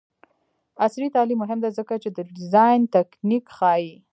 عصري تعلیم مهم دی ځکه چې د ډیزاین تنکینګ ښيي.